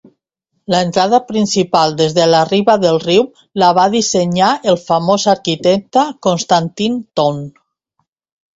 L'entrada principal des de la riba del riu la va dissenyar el famós arquitecte Konstantin Thon.